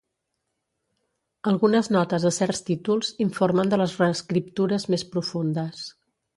Algunes notes a certs títols informen de les reescriptures més profundes.